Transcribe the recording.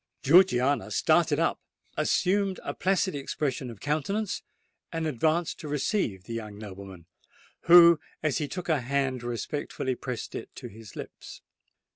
Georgiana started up—assumed a placid expression of countenance—and advanced to receive the young nobleman, who, as he took her hand, respectfully pressed it to his lips.